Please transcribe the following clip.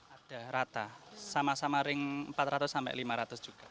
ada rata sama sama ring empat ratus sampai lima ratus juga